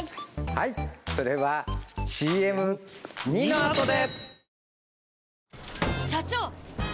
はいそれはＣＭ②のあとで！